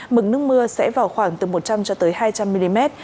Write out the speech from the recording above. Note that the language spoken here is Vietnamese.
mực nước mưa sẽ vào khoảng từ một trăm linh hai trăm linh mm